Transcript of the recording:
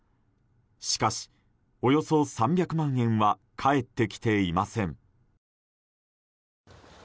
しかし、およそ３００万円は返ってきていません。